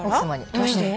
どうして？